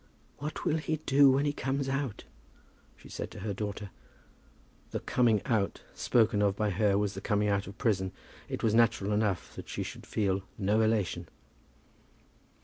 "What will he do when he comes out?" she said to her daughter. The coming out spoken of by her was the coming out of prison. It was natural enough that she should feel no elation.